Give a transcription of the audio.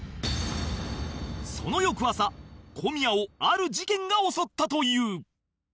その翌朝小宮をある事件が襲ったという